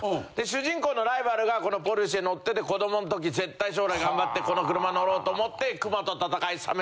主人公のライバルがこのポルシェ乗ってて子どもの時絶対将来頑張ってこの車乗ろうと思って。